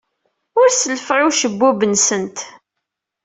Ur sellfeɣ i ucebbub-nsent.